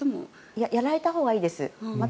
やられたほうがいいです。